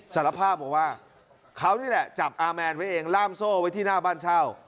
สารภาพบอกว่าเขานี่แหละจับอาแมนไว้เองล่ามโซ่ไว้ที่หน้าบ้านเช่า